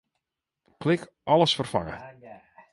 Klik Alles ferfange.